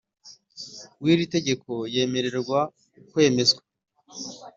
w iri tegeko yemerewe kwemezwa